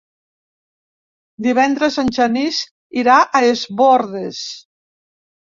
Divendres en Genís irà a Es Bòrdes.